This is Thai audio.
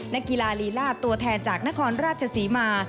นักกีฬาลีลาดตัวแทนจากนครราชศรีมา